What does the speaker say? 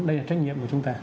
đây là trách nhiệm của chúng ta